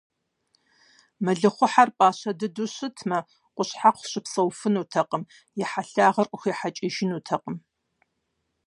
Мэлыхъуэхьэр пӀащэ дыдэу щытмэ, Къущхьэхъу щыпсэуфынутэкъым, и хьэлъагъыр къыхуехьэкӀыжынутэкъым.